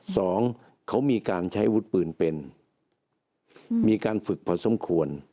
สองเขามีการใช้วุฒิปืนเป็นมีการฝึกพอสมควร